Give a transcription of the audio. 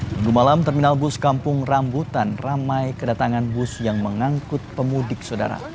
minggu malam terminal bus kampung rambutan ramai kedatangan bus yang mengangkut pemudik saudara